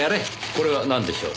これはなんでしょう？